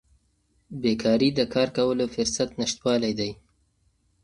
بیکاري د کار کولو فرصت نشتوالی دی.